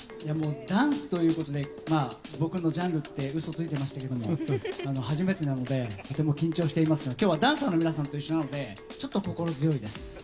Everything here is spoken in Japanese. ダンスということで僕のジャンルって嘘ついていましたけど初めてなのでとても緊張していますが今日はダンサーの皆さんと一緒なのでちょっと心強いです。